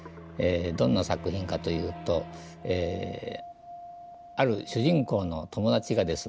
どんな作品かというとある主人公の友達がですね